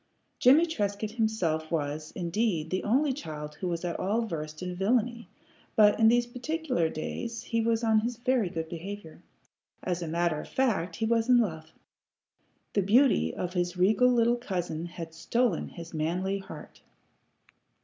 Jimmie Trescott himself was, indeed, the only child who was at all versed in villany, but in these particular days he was on his very good behavior. As a matter of fact, he was in love. The beauty of his regal little cousin had stolen his manly heart.